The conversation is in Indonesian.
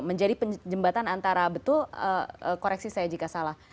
menjadi jembatan antara betul koreksi saya jika salah